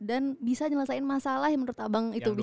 dan bisa nyelesain masalah yang menurut abang itu bisa